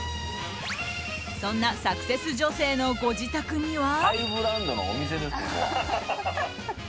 そんなサクセス女性のご自宅には。